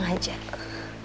nisa udah bebas